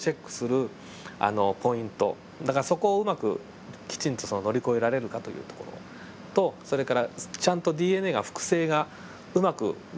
だからそこをうまくきちんと乗り越えられるかというところとそれからちゃんとＤＮＡが複製がうまく全部終わったかと。